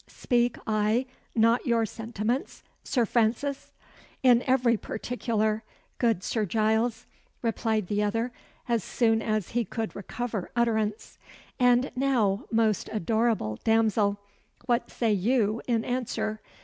Speak I not your sentiments, Sir Francis?" "In every particular, good Sir Giles," replied the other, as soon as he could recover utterance. "And now, most adorable damsel, what say you in answer?